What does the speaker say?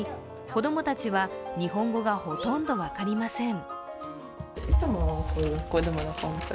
子供たちは日本語がほとんど分かりません。